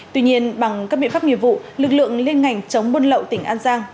tuy nhiên bằng các biện pháp nghiệp vụ lực lượng liên ngành chống buôn lậu tỉnh an giang